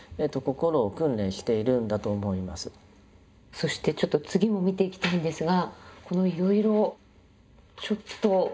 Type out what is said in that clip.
そしてちょっと次も見ていきたいんですがこのいろいろちょっと。